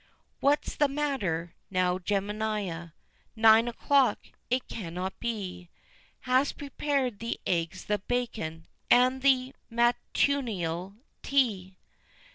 What's the matter, now, Jemima? Nine o'clock? It cannot be! Hast prepared the eggs, the bacon, and the matutinal tea?